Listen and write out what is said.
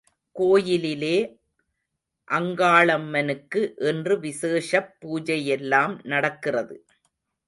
கோயிலிலே அங்காளம்மனுக்கு இன்று விசேஷப் பூஜையெல்லாம் நடக்கிறது.